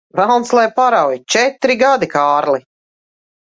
Velns lai parauj! Četri gadi, Kārli.